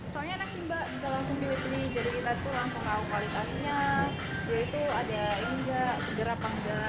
soalnya enak sih mbak bisa langsung dilihat ini jadi kita tuh langsung tahu kualitasnya yaitu ada ini enggak seger apa enggak